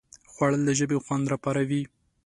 خوړل د ژبې خوند راپاروي